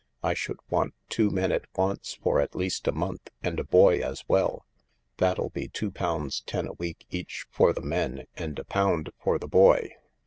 I should want two men at once for at least a month and a boy as well. That'll be two pounds ten a week each for the men and a pound for the boy.